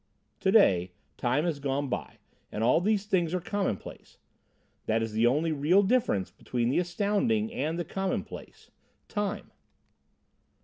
To day, time has gone by, and all these things are commonplace. That is the only real difference between the astounding and the commonplace Time.